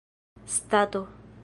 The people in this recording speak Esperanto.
stato